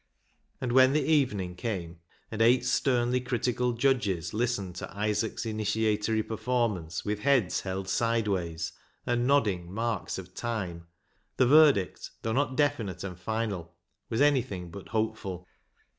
And when the evening came, and eight sternly critical judges listened to Isaac's initiatory performance with heads held sideways and nodding marl^s of time, the verdict, tliough not definite and final, was any thing but hopeful.